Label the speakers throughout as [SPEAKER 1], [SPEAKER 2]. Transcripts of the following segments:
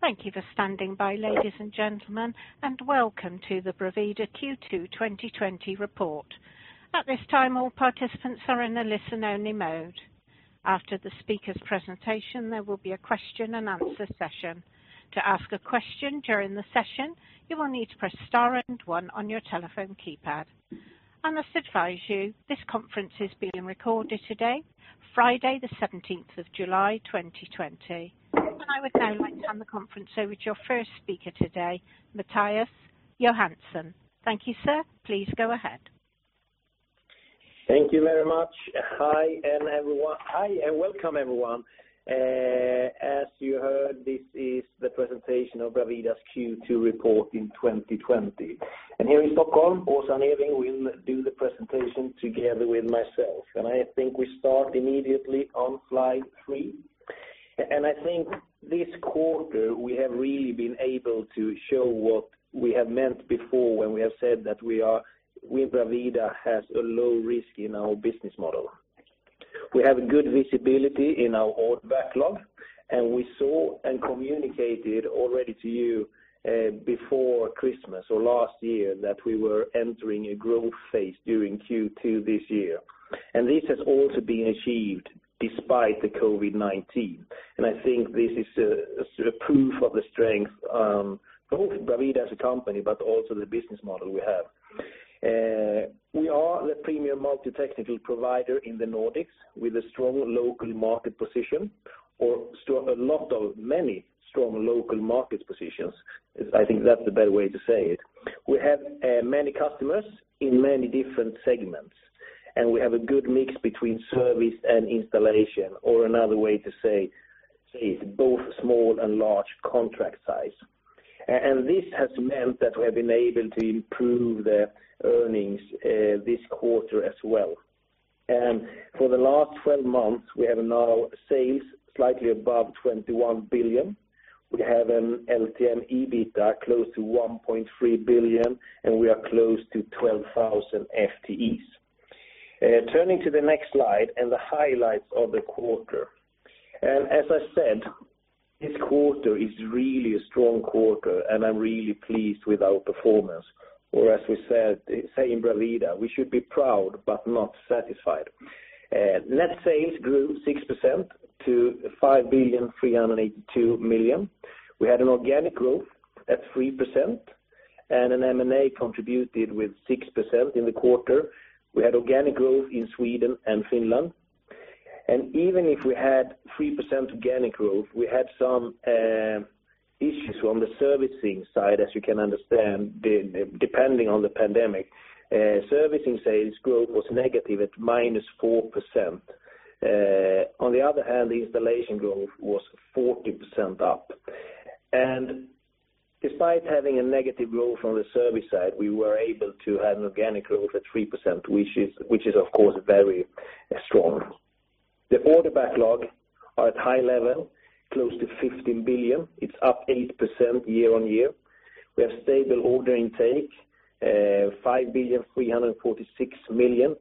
[SPEAKER 1] Thank you for standing by, ladies and gentlemen, and welcome to the Bravida Q2 2020 Report. At this time, all participants are in a listen-only mode. After the speaker's presentation, there will be a question-and-answer session. To ask a question during the session, you will need to press star and one on your telephone keypad. And I must advise you, this conference is being recorded today, Friday, the 17th of July 2020. And I would now like to hand the conference over to your first speaker today, Mattias Johansson. Thank you, sir. Please go ahead.
[SPEAKER 2] Thank you very much. Hi and welcome, everyone. As you heard, this is the presentation of Bravida's Q2 report in 2020. Here in Stockholm, Åsa Neving will do the presentation together with myself, and I think we start immediately on slide three, and I think this quarter, we have really been able to show what we have meant before when we have said that Bravida has a low risk in our business model. We have good visibility in our backlog, and we saw and communicated already to you before Christmas or last year that we were entering a growth phase during Q2 this year, and this has also been achieved despite the COVID-19, and I think this is proof of the strength of Bravida as a company, but also the business model we have. We are the premier multi-technical provider in the Nordics with a strong local market position or a lot of many strong local market positions. I think that's the better way to say it. We have many customers in many different segments, and we have a good mix between service and installation, or another way to say, both small and large contract size. This has meant that we have been able to improve the earnings this quarter as well. For the last 12 months, we have now sales slightly above 21 billion. We have an LTM EBITDA close to 1.3 billion, and we are close to 12,000 FTEs. Turning to the next slide and the highlights of the quarter. And as I said, this quarter is really a strong quarter, and I'm really pleased with our performance. Or as we say in Bravida, we should be proud but not satisfied. Net sales grew 6% to 5,382 million. We had an organic growth at 3%, and an M&A contributed with 6% in the quarter. We had organic growth in Sweden and Finland. And even if we had 3% organic growth, we had some issues on the servicing side, as you can understand, depending on the pandemic. Servicing sales growth was negative at -4%. On the other hand, the installation growth was 40% up. And despite having a negative growth on the service side, we were able to have an organic growth at 3%, which is, of course, very strong. The order backlog is at high level, close to 15 billion. It's up 8% year on year. We have stable order intake, 5,346 million,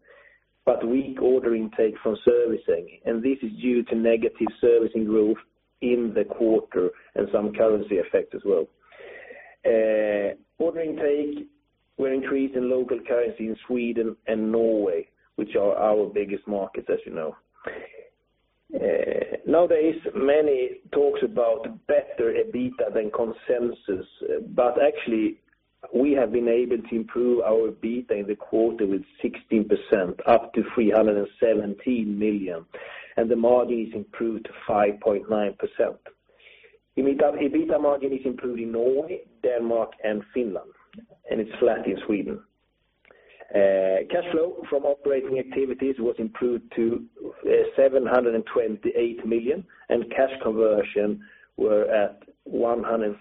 [SPEAKER 2] but weak order intake from servicing. This is due to negative servicing growth in the quarter and some currency effect as well. Order intake, we're increasing local currency in Sweden and Norway, which are our biggest markets, as you know. Nowadays, many talk about better EBITDA than consensus, but actually, we have been able to improve our EBITDA in the quarter with 16%, up to 317 million, and the margin has improved to 5.9%. EBITDA margin is improved in Norway, Denmark, and Finland, and it's flat in Sweden. Cash flow from operating activities was improved to 728 million, and cash conversion was at 149%.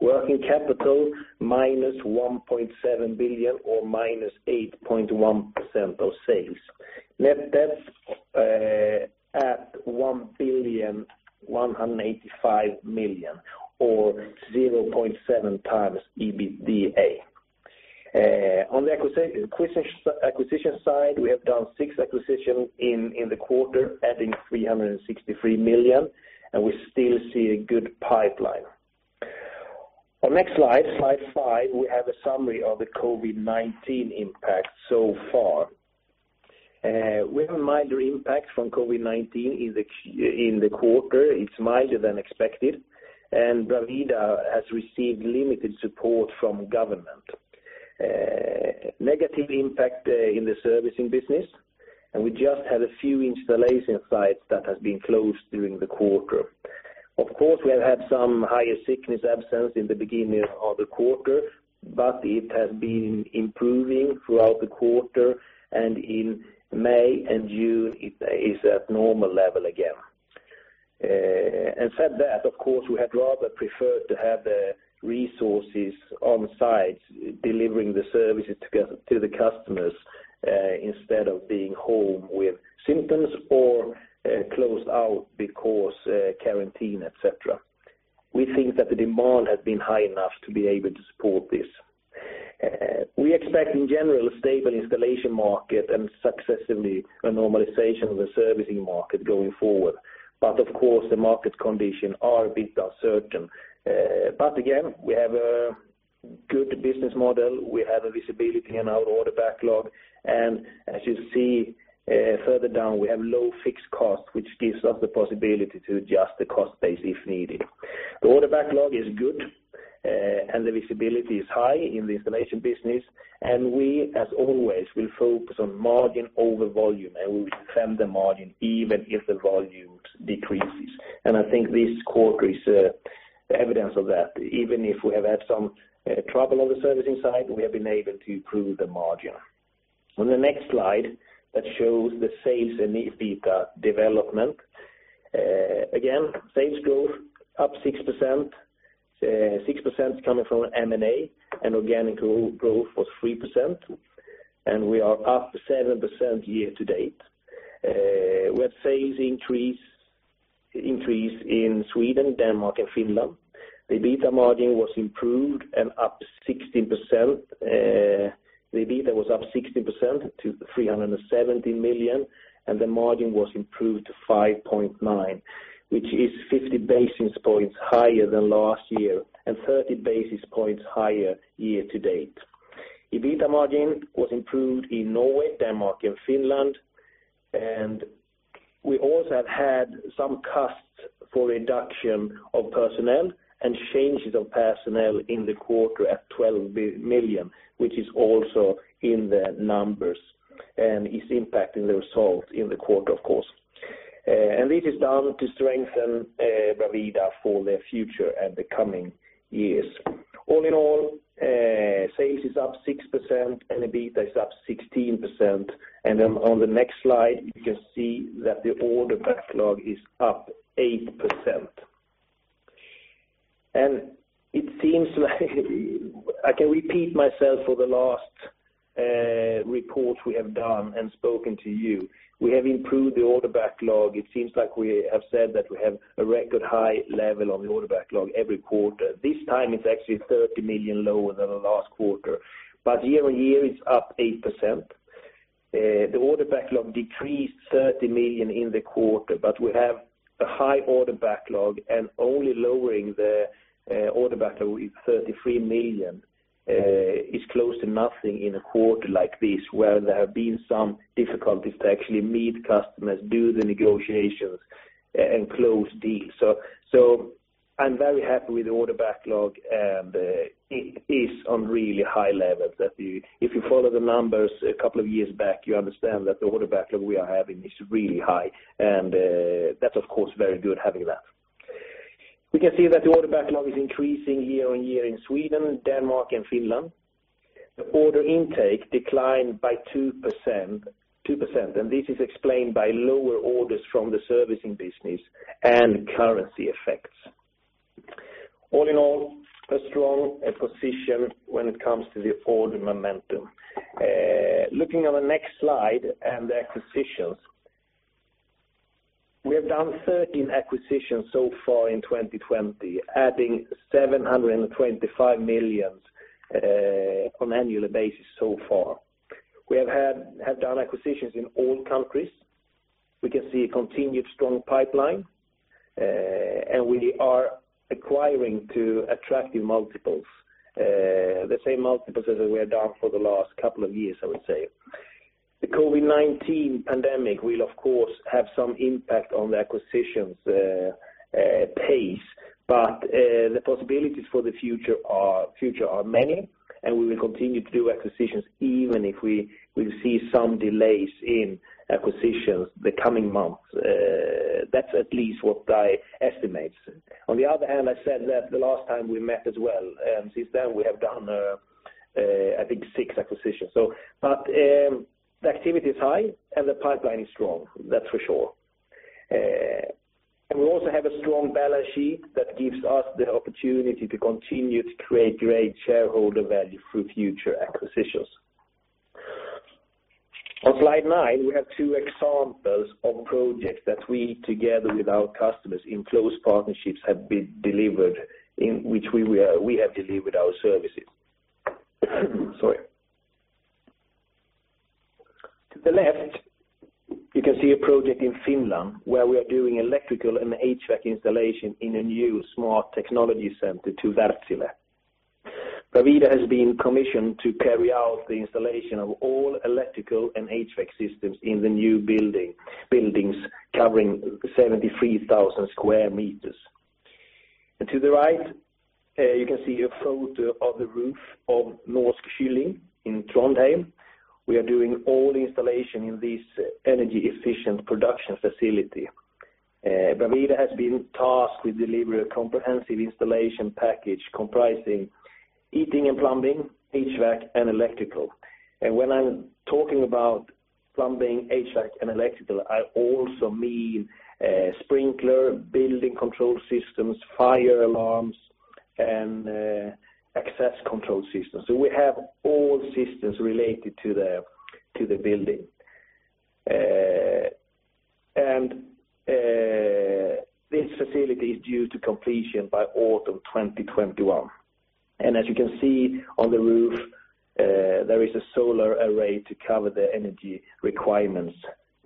[SPEAKER 2] Working capital minus 1.7 billion or minus 8.1% of sales. Net debt at SEK 1,185 million or 0.7 times EBITDA. On the acquisition side, we have done six acquisitions in the quarter, adding 363 million, and we still see a good pipeline. On next slide, slide five, we have a summary of the COVID-19 impact so far. We have a minor impact from COVID-19 in the quarter. It's milder than expected, and Bravida has received limited support from government. Negative impact in the servicing business, and we just had a few installation sites that have been closed during the quarter. Of course, we have had some higher sickness absence in the beginning of the quarter, but it has been improving throughout the quarter, and in May and June, it is at normal level again. Having said that, of course, we had rather preferred to have the resources on site delivering the services to the customers instead of being home with symptoms or closed out because of quarantine, etc. We think that the demand has been high enough to be able to support this. We expect, in general, a stable installation market and successively a normalization of the servicing market going forward. But of course, the market conditions are a bit uncertain. But again, we have a good business model. We have visibility in our order backlog, and as you see further down, we have low fixed costs, which gives us the possibility to adjust the cost base if needed. The order backlog is good, and the visibility is high in the installation business. And we, as always, will focus on margin over volume, and we will defend the margin even if the volume decreases. And I think this quarter is evidence of that. Even if we have had some trouble on the servicing side, we have been able to improve the margin. On the next slide, that shows the sales and EBITDA development. Again, sales growth up 6%. 6% coming from M&A, and organic growth was 3%. And we are up 7% year to date. We had sales increase in Sweden, Denmark, and Finland. The EBITDA margin was improved and up 16%. The EBITDA was up 16% to 317 million, and the margin was improved to 5.9%, which is 50 basis points higher than last year and 30 basis points higher year to date. EBITDA margin was improved in Norway, Denmark, and Finland. And we also have had some costs for reduction of personnel and changes of personnel in the quarter at 12 million, which is also in the numbers and is impacting the result in the quarter, of course. And this is done to strengthen Bravida for the future and the coming years. All in all, sales is up 6%, and EBITDA is up 16%. Then on the next slide, you can see that the order backlog is up 8%. It seems like I can repeat myself for the last reports we have done and spoken to you. We have improved the order backlog. It seems like we have said that we have a record high level on the order backlog every quarter. This time, it's actually 30 million lower than the last quarter. Year on year, it's up 8%. The order backlog decreased 30 million in the quarter, but we have a high order backlog, and only lowering the order backlog with 33 million is close to nothing in a quarter like this, where there have been some difficulties to actually meet customers, do the negotiations, and close deals. I'm very happy with the order backlog, and it is on really high levels. If you follow the numbers a couple of years back, you understand that the order backlog we are having is really high, and that's, of course, very good having that. We can see that the order backlog is increasing year on year in Sweden, Denmark, and Finland. The order intake declined by 2%, and this is explained by lower orders from the servicing business and currency effects. All in all, a strong position when it comes to the order momentum. Looking on the next slide and the acquisitions. We have done 13 acquisitions so far in 2020, adding 725 million on an annual basis so far. We have done acquisitions in all countries. We can see a continued strong pipeline, and we are acquiring to attractive multiples. The same multiples as we have done for the last couple of years, I would say. The COVID-19 pandemic will, of course, have some impact on the acquisitions pace, but the possibilities for the future are many, and we will continue to do acquisitions even if we will see some delays in acquisitions the coming months. That's at least what I estimate. On the other hand, I said that the last time we met as well, and since then, we have done, I think, six acquisitions. But the activity is high, and the pipeline is strong. That's for sure. And we also have a strong balance sheet that gives us the opportunity to continue to create great shareholder value for future acquisitions. On slide nine, we have two examples of projects that we, together with our customers in close partnerships, have delivered, in which we have delivered our services. Sorry. To the left, you can see a project in Finland where we are doing electrical and HVAC installation in a new smart technology center to Wärtsilä. Bravida has been commissioned to carry out the installation of all electrical and HVAC systems in the new buildings covering 73,000 square meters, and to the right, you can see a photo of the roof of Norsk Kylling in Trondheim. We are doing all installation in this energy-efficient production facility. Bravida has been tasked with delivering a comprehensive installation package comprising heating and plumbing, HVAC, and electrical, and when I'm talking about plumbing, HVAC, and electrical, I also mean sprinkler, building control systems, fire alarms, and access control systems, so we have all systems related to the building. This facility is due to completion by autumn 2021. As you can see on the roof, there is a solar array to cover the energy requirements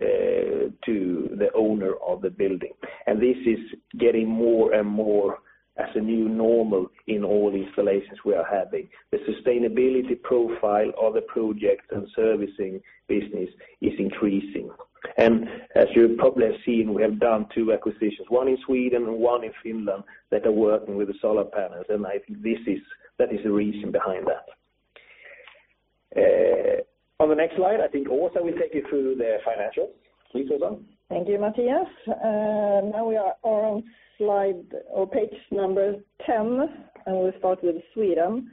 [SPEAKER 2] to the owner of the building. This is getting more and more as a new normal in all installations we are having. The sustainability profile of the project and servicing business is increasing. As you probably have seen, we have done two acquisitions, one in Sweden and one in Finland, that are working with the solar panels. I think that is the reason behind that. On the next slide, I think Åsa will take you through the financials. Please, Åsa.
[SPEAKER 3] Thank you, Mattias. Now we are on slide or page number 10, and we'll start with Sweden.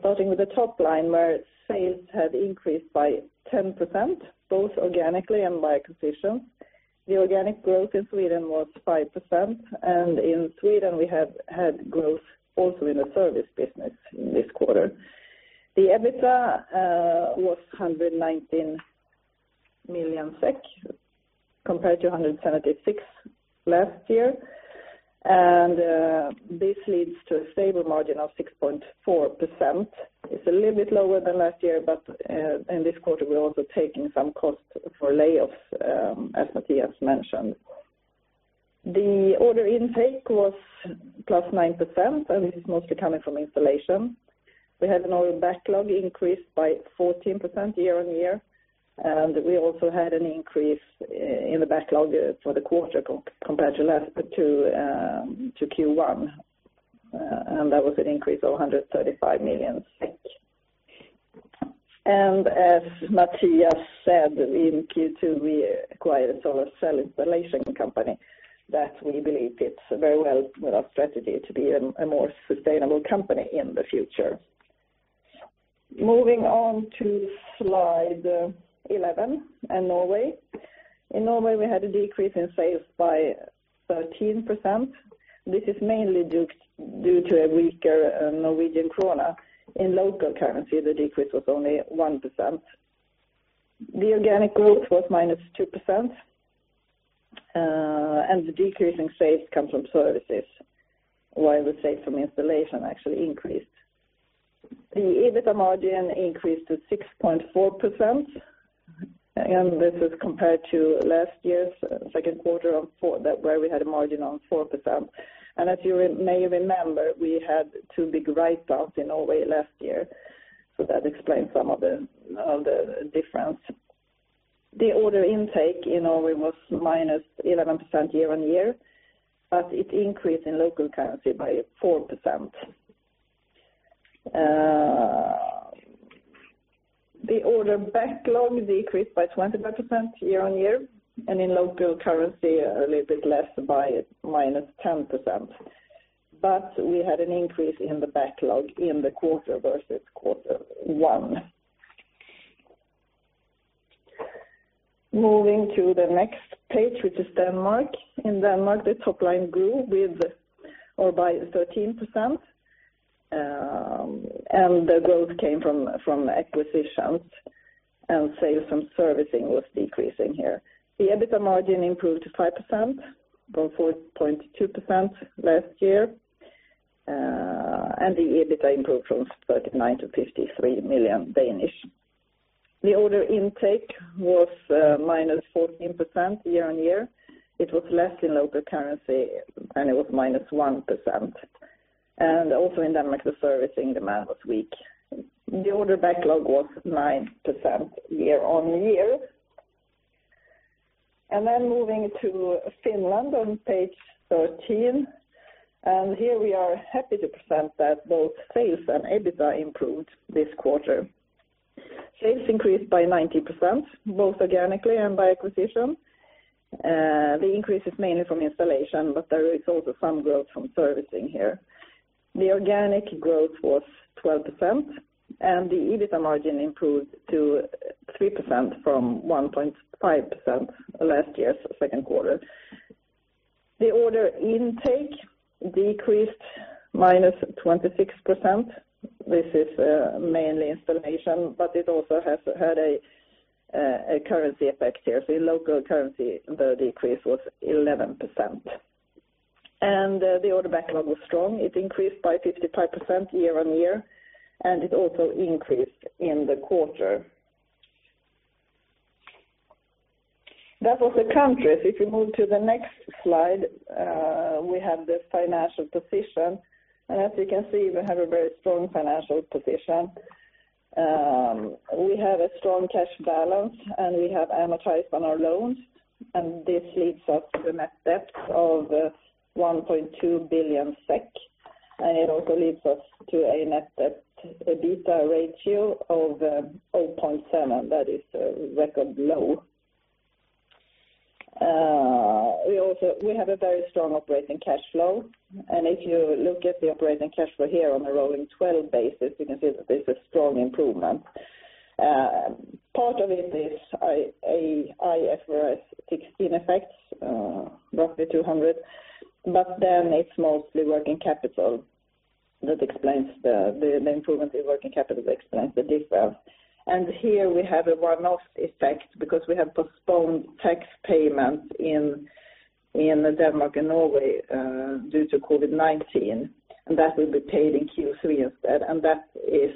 [SPEAKER 3] Starting with the top line where sales have increased by 10%, both organically and by acquisitions. The organic growth in Sweden was 5%, and in Sweden, we have had growth also in the service business this quarter. The EBITDA was 119 million SEK compared to 176 last year. And this leads to a stable margin of 6.4%. It's a little bit lower than last year, but in this quarter, we're also taking some costs for layoffs, as Mattias mentioned. The order intake was plus 9%, and this is mostly coming from installation. We had an order backlog increased by 14% year on year, and we also had an increase in the backlog for the quarter compared to Q1. And that was an increase of 135 million. And as Mattias said, in Q2, we acquired a solar cell installation company that we believe fits very well with our strategy to be a more sustainable company in the future. Moving on to slide 11 and Norway. In Norway, we had a decrease in sales by 13%. This is mainly due to a weaker Norwegian krone. In local currency, the decrease was only 1%. The organic growth was minus 2%, and the decrease in sales comes from services, while the sales from installation actually increased. The EBITDA margin increased to 6.4%, and this is compared to last year's second quarter where we had a margin of 4%. And as you may remember, we had two big write-downs in Norway last year, so that explains some of the difference. The order intake in Norway was minus 11% year on year, but it increased in local currency by 4%. The order backlog decreased by 25% year on year, and in local currency, a little bit less by minus 10%. But we had an increase in the backlog in the quarter versus quarter one. Moving to the next page, which is Denmark. In Denmark, the top line grew by 13%, and the growth came from acquisitions, and sales from servicing was decreasing here. The EBITDA margin improved to 5% from 4.2% last year, and the EBITDA improved from 39 million to 53 million. The order intake was minus 14% year on year. It was less in local currency, and it was minus 1%, and also in Denmark, the servicing demand was weak. The order backlog was 9% year on year, and then moving to Finland on page 13, and here we are happy to present that both sales and EBITDA improved this quarter. Sales increased by 90%, both organically and by acquisition. The increase is mainly from installation, but there is also some growth from servicing here. The organic growth was 12%, and the EBITDA margin improved to 3% from 1.5% last year's second quarter. The order intake decreased minus 26%. This is mainly installation, but it also has had a currency effect here. So in local currency, the decrease was 11%. And the order backlog was strong. It increased by 55% year on year, and it also increased in the quarter. That was the countries. If we move to the next slide, we have the financial position. And as you can see, we have a very strong financial position. We have a strong cash balance, and we have amortized on our loans. And this leads us to a net debt of 1.2 billion SEK, and it also leads us to a net debt/EBITDA ratio of 0.7. That is a record low. We have a very strong operating cash flow, and if you look at the operating cash flow here on a rolling 12 basis, you can see that there's a strong improvement. Part of it is IFRS 16 effects, roughly 200, but then it's mostly working capital. That explains the improvement in working capital. That explains the difference, and here we have a one-off effect because we have postponed tax payments in Denmark and Norway due to COVID-19, and that will be paid in Q3 instead, and that is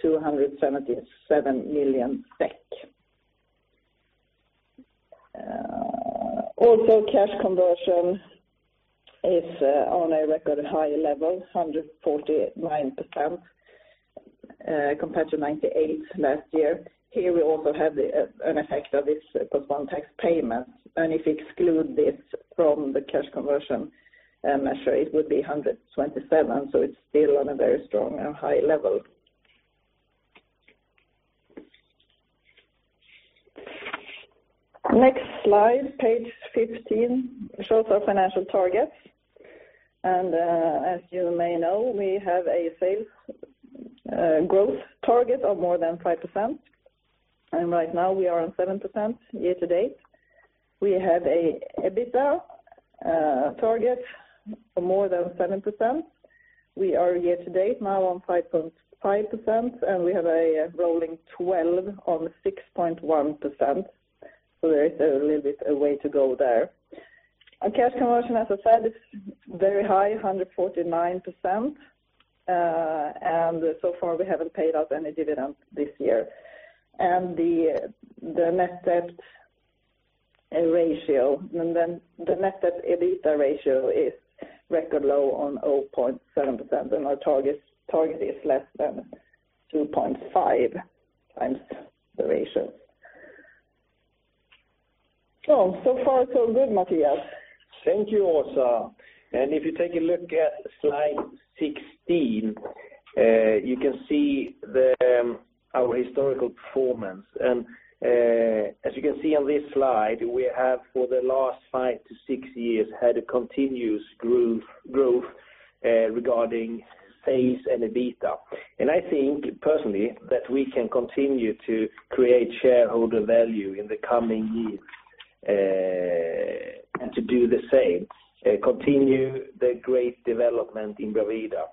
[SPEAKER 3] 277 million SEK. Also, cash conversion is on a record high level, 149% compared to 98% last year. Here we also have an effect of this postponed tax payments, and if we exclude this from the cash conversion measure, it would be 127%, so it's still on a very strong and high level. Next slide, page 15, shows our financial targets. And as you may know, we have a sales growth target of more than 5%, and right now we are on 7% year to date. We have an EBITDA target of more than 7%. We are year to date now on 5.5%, and we have a rolling 12 on 6.1%. So there is a little bit of way to go there. Our cash conversion, as I said, is very high, 149%, and so far we haven't paid out any dividend this year. And the net debt ratio, the net debt/EBITDA ratio is record low on 0.7%, and our target is less than 2.5 times the ratio. So far, so good, Mattias.
[SPEAKER 2] Thank you, Åsa. And if you take a look at slide 16, you can see our historical performance. As you can see on this slide, we have for the last five to six years had a continuous growth regarding sales and EBITDA. I think, personally, that we can continue to create shareholder value in the coming years and to do the same, continue the great development in Bravida.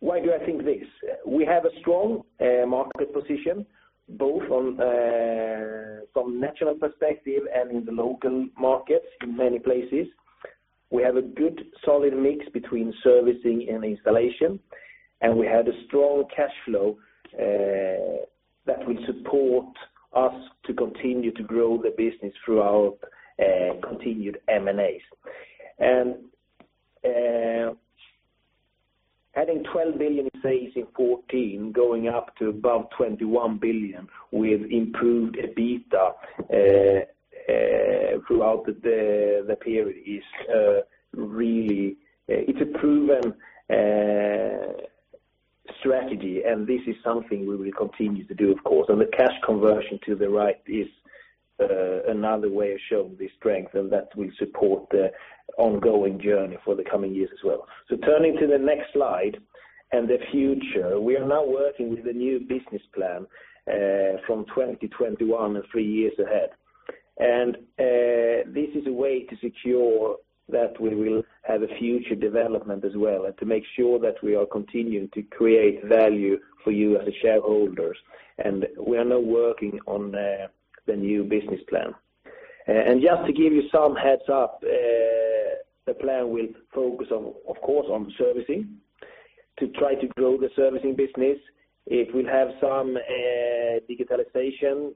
[SPEAKER 2] Why do I think this? We have a strong market position, both from national perspective and in the local markets in many places. We have a good solid mix between servicing and installation, and we had a strong cash flow that will support us to continue to grow the business through our continued M&As. Adding 12 billion in sales in 2014, going up to above 21 billion with improved EBITDA throughout the period is really a proven strategy, and this is something we will continue to do, of course. And the cash conversion to the right is another way of showing this strength, and that will support the ongoing journey for the coming years as well. So turning to the next slide and the future, we are now working with a new business plan from 2021 and three years ahead. And this is a way to secure that we will have a future development as well and to make sure that we are continuing to create value for you as shareholders. And we are now working on the new business plan. And just to give you some heads-up, the plan will focus, of course, on servicing to try to grow the servicing business. It will have some digitalization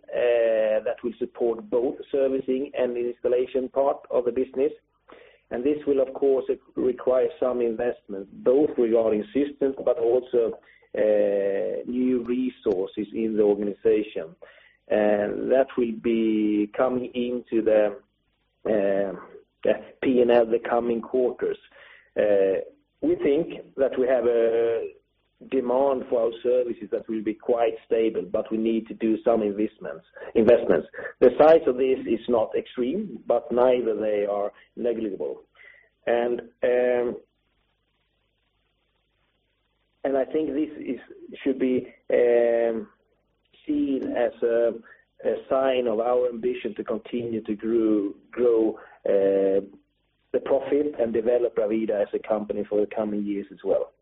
[SPEAKER 2] that will support both servicing and the installation part of the business. And this will, of course, require some investment, both regarding systems but also new resources in the organization. That will be coming into the P&L the coming quarters. We think that we have a demand for our services that will be quite stable, but we need to do some investments. The size of this is not extreme, but neither they are negligible. And I think this should be seen as a sign of our ambition to continue to grow the profit and develop Bravida as a company for the coming years as well.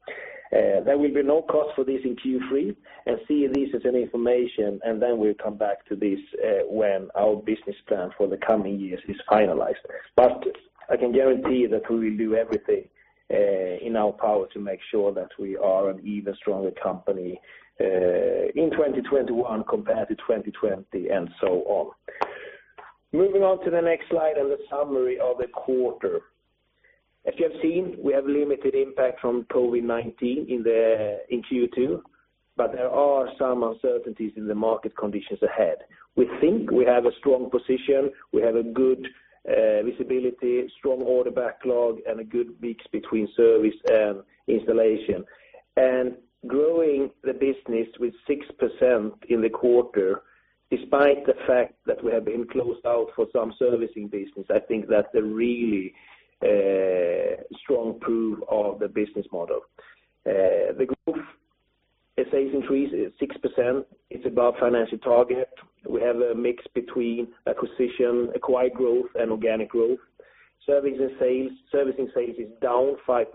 [SPEAKER 2] There will be no cost for this in Q3, and see this as information, and then we'll come back to this when our business plan for the coming years is finalized. But I can guarantee that we will do everything in our power to make sure that we are an even stronger company in 2021 compared to 2020 and so on. Moving on to the next slide and the summary of the quarter. As you have seen, we have limited impact from COVID-19 in Q2, but there are some uncertainties in the market conditions ahead. We think we have a strong position. We have a good visibility, strong order backlog, and a good mix between service and installation. And growing the business with 6% in the quarter, despite the fact that we have been closed out for some servicing business, I think that's a really strong proof of the business model. The growth, as I said, increased 6%. It's above financial target. We have a mix between acquisition, acquired growth, and organic growth. Servicing sales is down 5%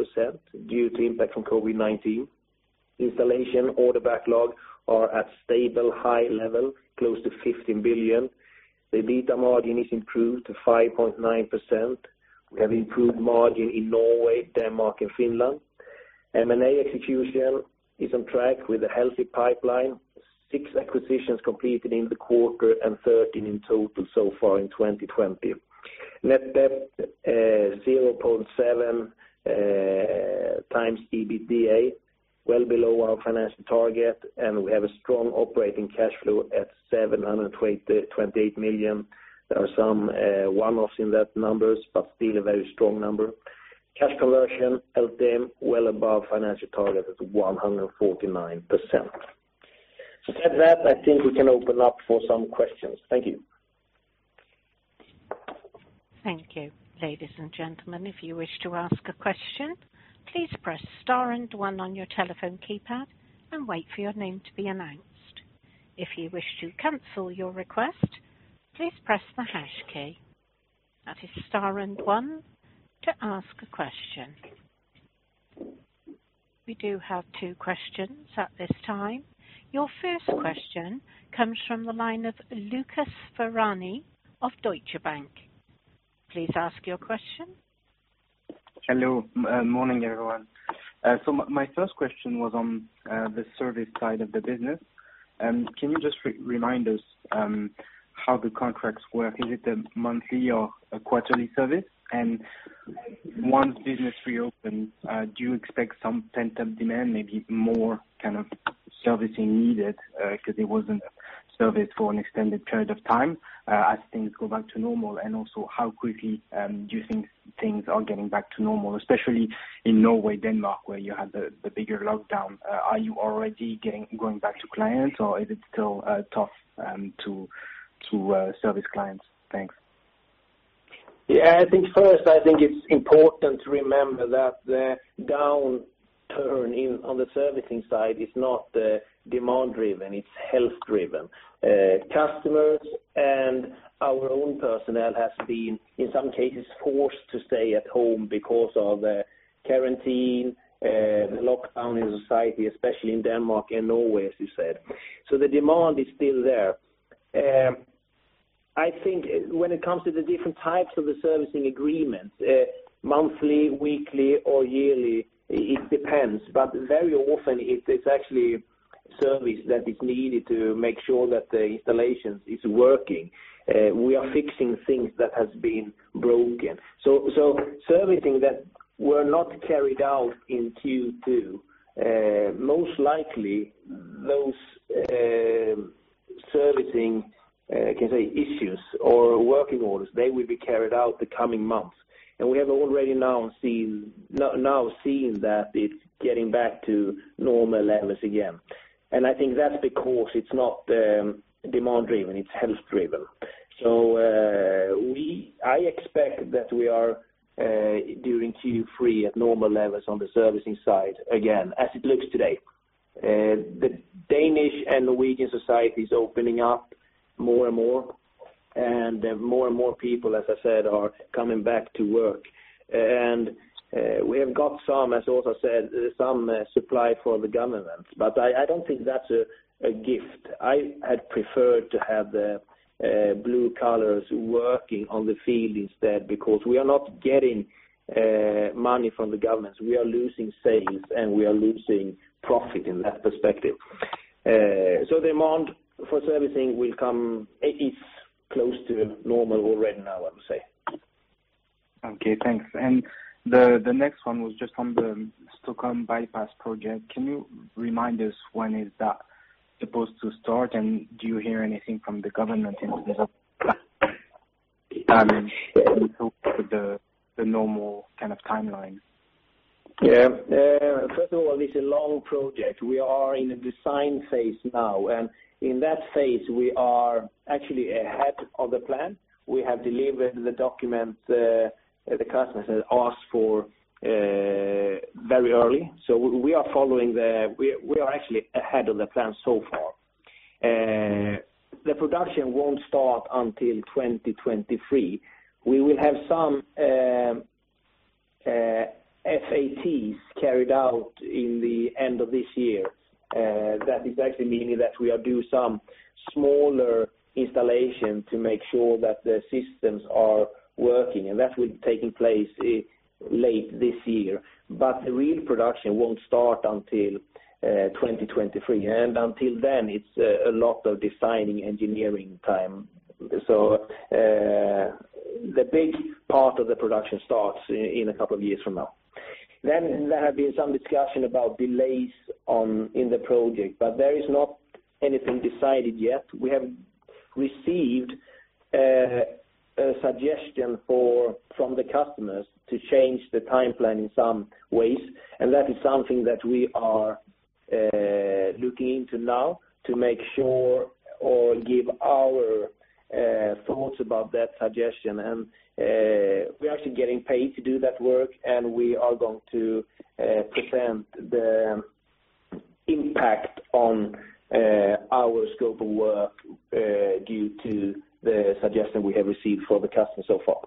[SPEAKER 2] due to impact from COVID-19. Installation order backlog are at stable high level, close to 15 billion. The EBITDA margin is improved to 5.9%. We have improved margin in Norway, Denmark, and Finland. M&A execution is on track with a healthy pipeline, six acquisitions completed in the quarter and 13 in total so far in 2020. Net debt 0.7 times EBITDA, well below our financial target, and we have a strong operating cash flow at 728 million. There are some one-offs in that numbers, but still a very strong number. Cash conversion, LTM, well above financial target at 149%. With that said, I think we can open up for some questions. Thank you.
[SPEAKER 1] Thank you, ladies and gentlemen. If you wish to ask a question, please press star and one on your telephone keypad and wait for your name to be announced. If you wish to cancel your request, please press the hash key. That is star and one to ask a question. We do have two questions at this time. Your first question comes from the line of Lucas Ferhani of Deutsche Bank. Please ask your question.
[SPEAKER 4] Hello. Morning, everyone. So my first question was on the service side of the business. Can you just remind us how the contracts work? Is it a monthly or a quarterly service? And once business reopens, do you expect some pent-up demand, maybe more kind of servicing needed because it wasn't serviced for an extended period of time as things go back to normal? And also, how quickly do you think things are getting back to normal, especially in Norway, Denmark, where you had the bigger lockdown? Are you already going back to clients, or is it still tough to service clients? Thanks.
[SPEAKER 2] Yeah. I think first, I think it's important to remember that the downturn on the servicing side is not demand-driven. It's health-driven. Customers and our own personnel have been, in some cases, forced to stay at home because of the quarantine, the lockdown in society, especially in Denmark and Norway, as you said. So the demand is still there. I think when it comes to the different types of the servicing agreements, monthly, weekly, or yearly, it depends. But very often, it's actually service that is needed to make sure that the installation is working. We are fixing things that have been broken. So servicing that were not carried out in Q2, most likely those servicing, I can say, issues or working orders, they will be carried out the coming months. And we have already now seen that it's getting back to normal levels again. And I think that's because it's not demand-driven. It's health-driven. So I expect that we are during Q3 at normal levels on the servicing side again, as it looks today. The Danish and Norwegian societies are opening up more and more, and more and more people, as I said, are coming back to work. We have got some, as Åsa said, some supply for the government, but I don't think that's a gift. I had preferred to have the blue colors working on the field instead because we are not getting money from the governments. We are losing sales, and we are losing profit in that perspective. So demand for servicing will come. It's close to normal already now, I would say.
[SPEAKER 4] Okay. Thanks. And the next one was just on the Stockholm Bypass project. Can you remind us when is that supposed to start, and do you hear anything from the government in terms of the normal kind of timeline?
[SPEAKER 2] Yeah. First of all, it's a long project. We are in the design phase now, and in that phase, we are actually ahead of the plan. We have delivered the documents the customer has asked for very early. So we are actually ahead of the plan so far. The production won't start until 2023. We will have some FATs carried out in the end of this year. That is actually meaning that we will do some smaller installation to make sure that the systems are working, and that will be taking place late this year. But the real production won't start until 2023, and until then, it's a lot of design and engineering time. So the big part of the production starts in a couple of years from now. Then there have been some discussions about delays in the project, but there is not anything decided yet. We have received a suggestion from the customers to change the timeline in some ways, and that is something that we are looking into now to make sure or give our thoughts about that suggestion. And we're actually getting paid to do that work, and we are going to present the impact on our scope of work due to the suggestion we have received from the customer so far.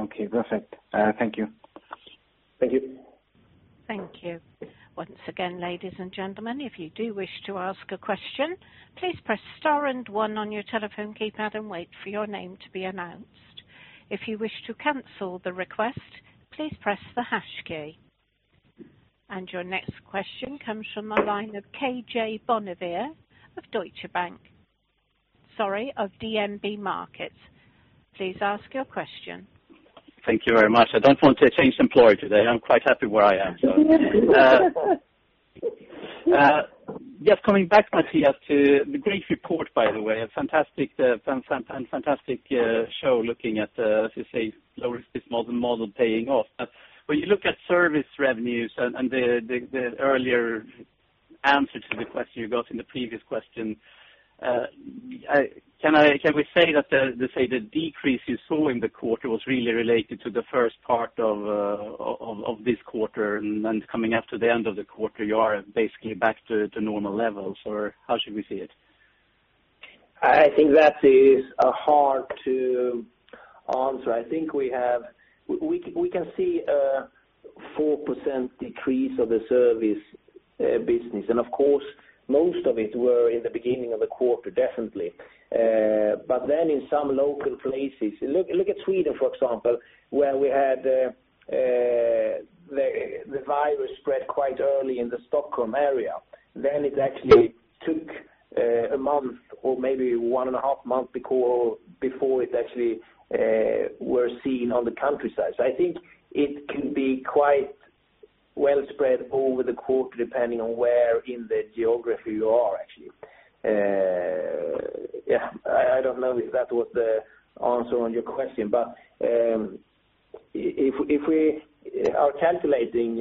[SPEAKER 4] Okay. Perfect. Thank you.
[SPEAKER 2] Thank you.
[SPEAKER 1] Thank you. Once again, ladies and gentlemen, if you do wish to ask a question, please press star and one on your telephone keypad and wait for your name to be announced. If you wish to cancel the request, please press the hash key. And your next question comes from the line of KJ Bonnevier, of Deutsche Bank, sorry, of DNB Markets. Please ask your question.
[SPEAKER 5] Thank you very much. I don't want to change employer today. I'm quite happy where I am, so. Yes. Coming back, Mattias, to the great report, by the way, a fantastic show looking at, as you say, Lowry's model paying off. But when you look at service revenues and the earlier answer to the question you got in the previous question, can we say that the decrease you saw in the quarter was really related to the first part of this quarter and coming after the end of the quarter you are basically back to normal levels, or how should we see it?
[SPEAKER 2] I think that is hard to answer. I think we can see a 4% decrease of the service business, and of course, most of it were in the beginning of the quarter, definitely. But then in some local places, look at Sweden, for example, where we had the virus spread quite early in the Stockholm area. Then it actually took a month or maybe one and a half months before it actually was seen on the countryside. So I think it can be quite well spread over the quarter depending on where in the geography you are, actually. Yeah. I don't know if that was the answer on your question, but if we are calculating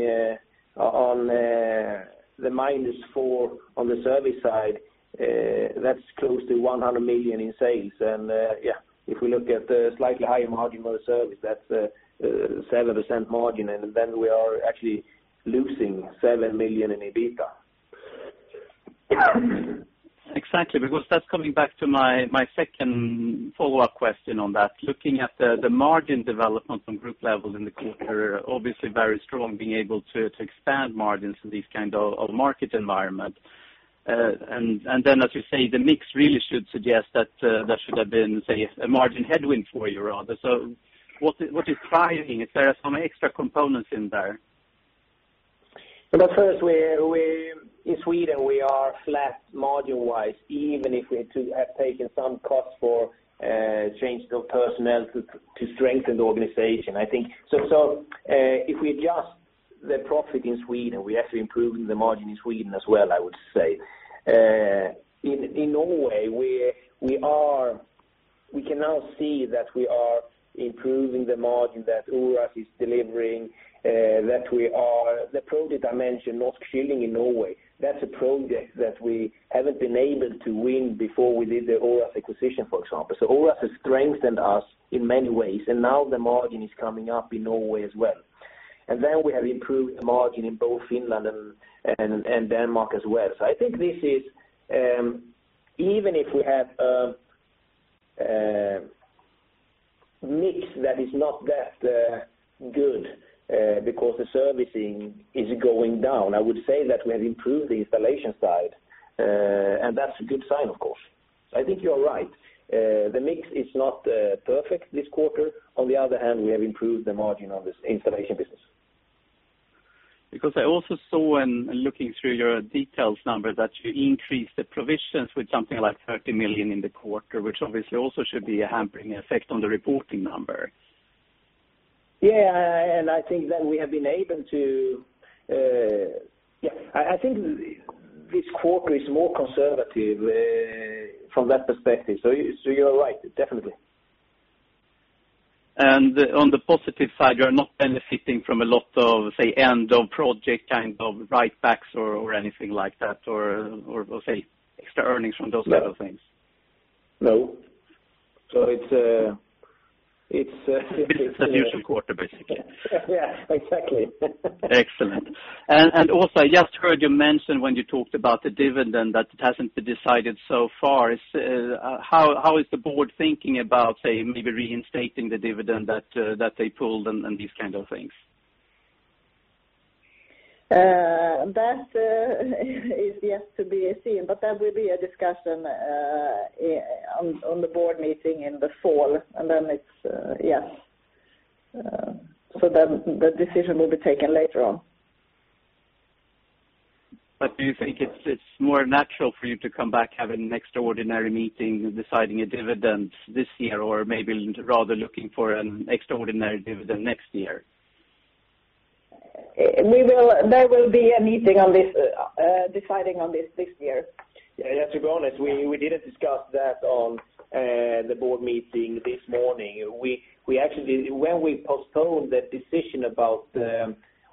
[SPEAKER 2] on the minus four on the service side, that's close to 100 million in sales. And yeah, if we look at the slightly higher margin of the service, that's a 7% margin, and then we are actually losing 7 million in EBITDA.
[SPEAKER 5] Exactly. Because that's coming back to my second follow-up question on that. Looking at the margin development on group levels in the quarter, obviously very strong, being able to expand margins in this kind of market environment. And then, as you say, the mix really should suggest that there should have been, say, a margin headwind for you, rather. So what is driving? Is there some extra components in there?
[SPEAKER 2] Well, in Sweden, we are flat margin-wise, even if we have taken some costs for changing the personnel to strengthen the organization. So if we adjust the profit in Sweden, we're actually improving the margin in Sweden as well, I would say. In Norway, we can now see that we are improving the margin that Oras AS is delivering, that we are, the project I mentioned, Norsk Kylling in Norway, that's a project that we haven't been able to win before we did the Oras acquisition, for example. So Oras AS has strengthened us in many ways, and now the margin is coming up in Norway as well. And then we have improved the margin in both Finland and Denmark as well. So I think this is, even if we have a mix that is not that good because the servicing is going down, I would say that we have improved the installation side, and that's a good sign, of course. I think you're right. The mix is not perfect this quarter. On the other hand, we have improved the margin on the installation business.
[SPEAKER 5] Because I also saw, and looking through your detailed numbers, that you increased the provisions with something like 30 million in the quarter, which obviously also should be a hampering effect on the reporting number.
[SPEAKER 2] Yeah. And I think that we have been able to, yeah. I think this quarter is more conservative from that perspective. So you're right. Definitely.
[SPEAKER 5] And on the positive side, you're not benefiting from a lot of, say, end-of-project kind of writebacks or anything like that, or, say, extra earnings from those kinds of things?
[SPEAKER 2] No. No. So it's a.
[SPEAKER 5] So it's a usual quarter, basically.
[SPEAKER 2] Yeah. Exactly.
[SPEAKER 5] Excellent. And Åsa, I just heard you mention when you talked about the dividend that it hasn't been decided so far. How is the board thinking about, say, maybe reinstating the dividend that they pulled and these kinds of things?
[SPEAKER 3] That is yet to be seen, but that will be a discussion on the board meeting in the fall. And then it's. Yeah. So the decision will be taken later on.
[SPEAKER 5] But do you think it's more natural for you to come back, have an extraordinary meeting deciding a dividend this year, or maybe rather looking for an extraordinary dividend next year?
[SPEAKER 3] There will be a meeting deciding on this this year.
[SPEAKER 2] Yeah. To be honest, we didn't discuss that on the board meeting this morning. When we postponed the decision about.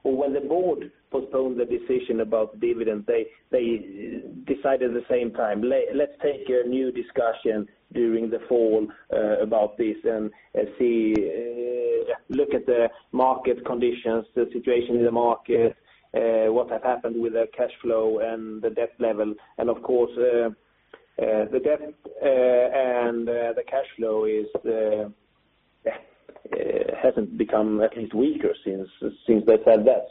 [SPEAKER 2] Well, when the board postponed the decision about the dividend, they decided at the same time. Let's take a new discussion during the fall about this and look at the market conditions, the situation in the market, what has happened with the cash flow and the debt level. And of course, the debt and the cash flow hasn't become at least weaker since they said that.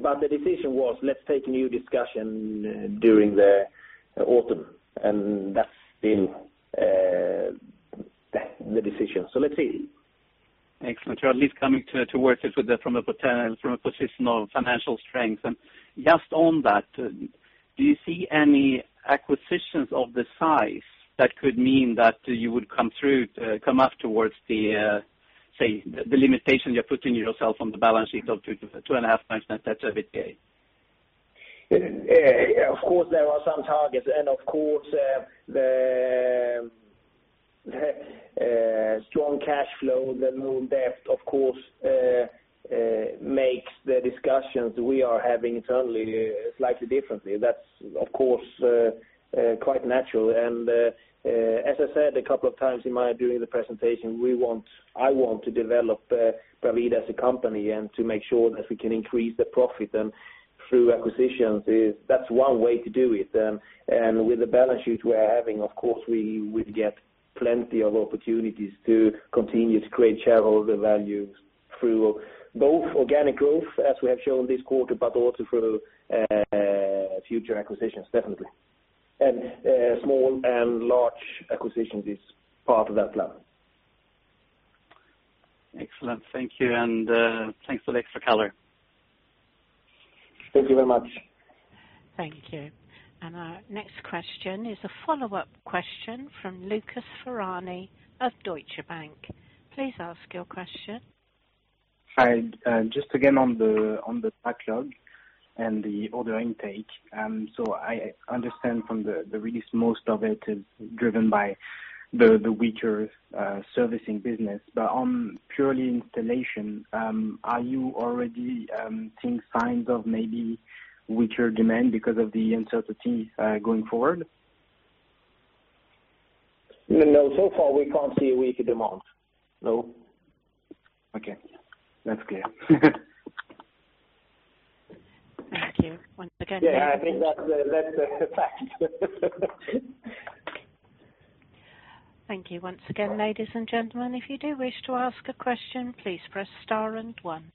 [SPEAKER 2] But the decision was, let's take a new discussion during the autumn, and that's been the decision. So let's see.
[SPEAKER 5] Excellent. You're at least coming to work this from a position of financial strength. And just on that, do you see any acquisitions of the size that could mean that you would come up towards the, say, the limitation you're putting yourself on the balance sheet of 2.5% debt servicing?
[SPEAKER 2] Of course, there are some targets. And of course, the strong cash flow, the low debt, of course, makes the discussions we are having internally slightly differently. That's, of course, quite natural. As I said a couple of times during my presentation, I want to develop Bravida as a company and to make sure that we can increase the profit through acquisitions. That's one way to do it. With the balance sheet we're having, of course, we would get plenty of opportunities to continue to create shareholder value through both organic growth, as we have shown this quarter, but also through future acquisitions, definitely. Small and large acquisitions is part of that plan.
[SPEAKER 5] Excellent. Thank you. Thanks for the color.
[SPEAKER 2] Thank you very much.
[SPEAKER 1] Thank you. Our next question is a follow-up question from Lucas Ferhani of Deutsche Bank. Please ask your question.
[SPEAKER 4] Hi. Just again on the backlog and the order intake. So I understand from the release, most of it is driven by the weaker servicing business. But on purely installation, are you already seeing signs of maybe weaker demand because of the uncertainty going forward?
[SPEAKER 2] No. So far, we can't see a weaker demand. No.
[SPEAKER 4] Okay. That's clear.
[SPEAKER 1] Thank you. Once again, thank you.
[SPEAKER 2] Yeah. I think that's a fact.
[SPEAKER 1] Thank you. Once again, ladies and gentlemen, if you do wish to ask a question, please press star and one.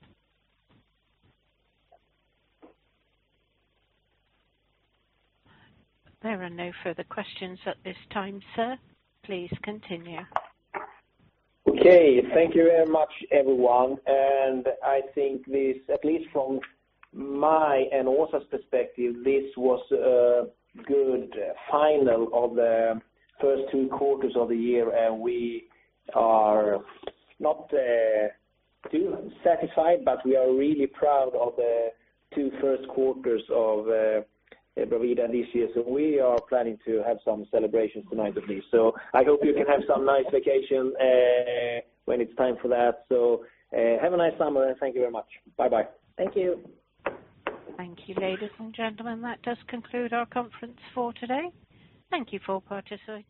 [SPEAKER 1] There are no further questions at this time, sir. Please continue.
[SPEAKER 2] Okay. Thank you very much, everyone. I think this, at least from my and Åsa's perspective, this was a good final of the first two quarters of the year. We are not too satisfied, but we are really proud of the two first quarters of Bravida this year. We are planning to have some celebrations tonight at least. I hope you can have some nice vacation when it's time for that. So have a nice summer, and thank you very much. Bye-bye.
[SPEAKER 3] Thank you.
[SPEAKER 1] Thank you, ladies and gentlemen. That does conclude our conference for today. Thank you for participating.